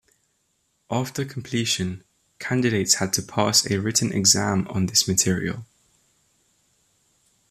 After completion, candidates had to pass a written exam on this material.